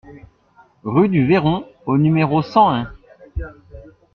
Rue du Véron au numéro cent un